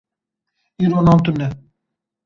Îro nan tune.